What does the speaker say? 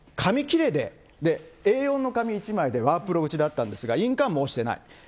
これに対して、紙切れで、Ａ４の紙１枚でワープロ打ちだったんですが、印鑑も押してない。